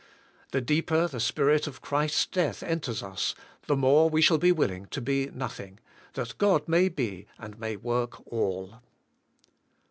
The deeper the Spirit of Christ's death enters us, the more we shall be willing to be nothing, that God may be and may work all.